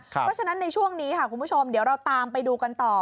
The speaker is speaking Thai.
เพราะฉะนั้นในช่วงนี้ค่ะคุณผู้ชมเดี๋ยวเราตามไปดูกันต่อ